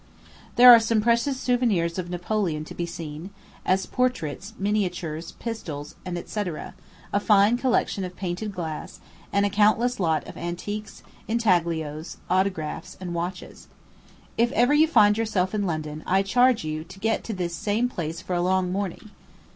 There are some precious souvenirs of Napoleon to be seen, as portraits, miniatures, pistols, &c., a fine collection of painted glass, and a countless lot of antiques, intaglios, autographs, and watches. If ever you find yourself in London, I charge you, get to this same place for a long morning.